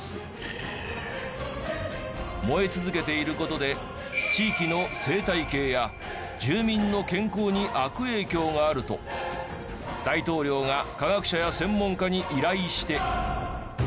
燃え続けている事で地域の生態系や住民の健康に悪影響があると大統領が科学者や専門家に依頼して。